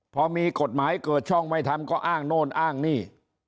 พอมีกฎหมายเกิดช่องไม่ทำก็อ้างโน่นอ้างนี่